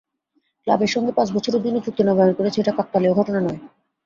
ক্লাবের সঙ্গে পাঁচ বছরের জন্য চুক্তি নবায়ন করেছি, এটা কাকতালীয় ঘটনা নয়।